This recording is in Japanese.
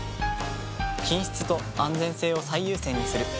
品質と安全性を最優先にする。